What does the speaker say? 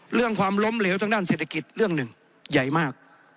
เรื่องความล้มเหลวทางด้านเศรษฐกิจเรื่องหนึ่งใหญ่มาก